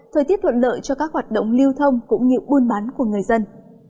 thời tiết thuận lợi cho các hoạt động lưu thông cũng như buôn bán của người dân